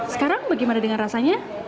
sekarang bagaimana dengan rasanya